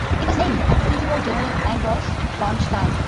It was named after Civil War general Ambrose Burnside.